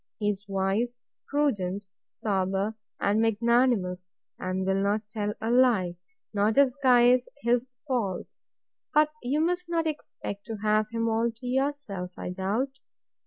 He is wise, prudent, sober, and magnanimous, and will not tell a lie, nor disguise his faults; but you must not expect to have him all to yourself, I doubt.